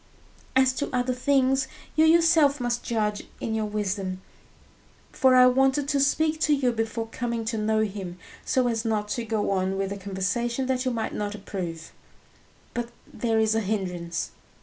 "As to other things, you yourself must judge in your wisdom; for I wanted to speak to you before coming to know him, so as not to go on with a conversation that you might not approve. But there is a hindrance."